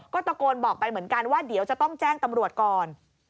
ก็ตะโกนบอกไปเหมือนกันว่าเดี๋ยวจะต้องแจ้งตำรวจก่อน